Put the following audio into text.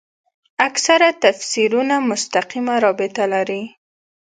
اکثره تفسیرونه مستقیمه رابطه لري.